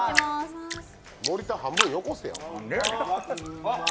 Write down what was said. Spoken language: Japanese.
森田、半分よこせよ。